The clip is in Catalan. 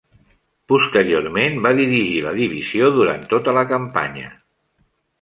Posteriorment va dirigir la divisió durant tota la campanya.